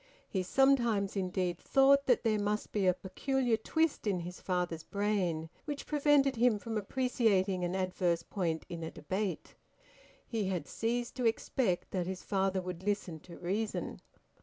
He sometimes indeed thought that there must be a peculiar twist in his father's brain which prevented him from appreciating an adverse point in a debate; he had ceased to expect that his father would listen to reason.